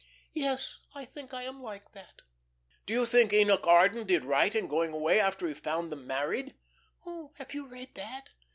Yes, I think I am like that." "Do you think Enoch Arden did right in going away after he found them married?" "Oh, have you read that?